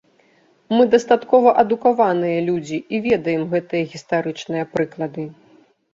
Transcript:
Мы дастаткова адукаваныя людзі і ведаем гэтыя гістарычныя прыклады.